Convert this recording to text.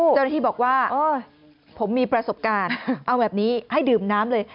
เจ้าหน้าที่บอกว่าผมมีประสบการณ์เอาแบบนี้ให้ดื่มน้ำเลย